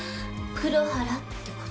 黒原って事？